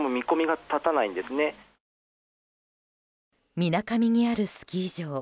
みなかみにあるスキー場。